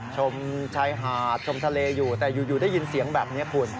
ชมชายหาดชมทะเลอยู่แต่อยู่ได้ยินเสียงแบบนี้คุณ